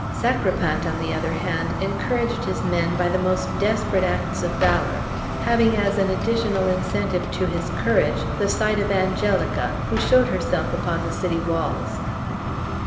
Sacripant, on the other hand, encouraged his men by the most desperate acts of valor, having as an additional incentive to his courage the sight of Angelica, who showed herself upon the city walls.